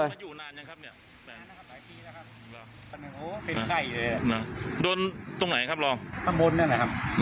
แล้วมันมาอยู่นานยังครับเนี่ยนานนะครับหลายปีแล้วครับ